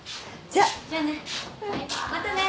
じゃあね。